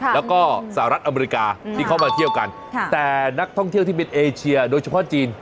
แล้วก็สหรัฐอเมริกาที่เขามาเที่ยวกันแต่นักท่องเที่ยวที่เป็นเอเชียโดยเฉพาะจีน